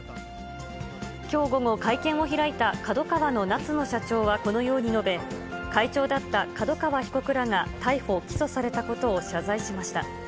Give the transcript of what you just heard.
きょう午後、会見を開いたＫＡＤＯＫＡＷＡの夏野社長はこのように述べ、会長だった角川被告らが逮捕・起訴されたことを謝罪しました。